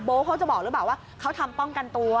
เขาจะบอกหรือเปล่าว่าเขาทำป้องกันตัว